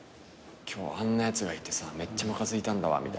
今日あんなやつがいてさめっちゃムカついたんだわみたいな？